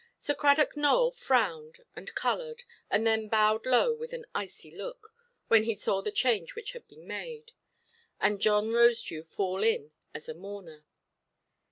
Sir Cradock Nowell frowned, and coloured, and then bowed low with an icy look, when he saw the change which had been made, and John Rosedew fall in as a mourner.